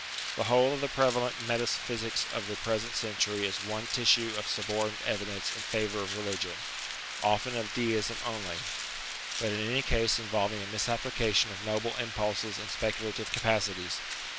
The whole of the prevalent meta physics of the present century is one tissue of suborned evidence in favour of religion; often of Deism only, but in any case involving a misapplica tion of noble impulses and speculative capacities.